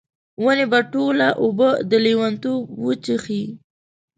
ونې به ټوله اوبه، د لیونتوب وچیښي